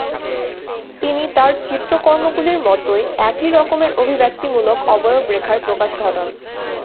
তিনি তাঁর চিত্রকর্মগুলির মতোই একই রকমের অভিব্যক্তিমূলক অবয়ব-রেখার প্রকাশ ঘটান।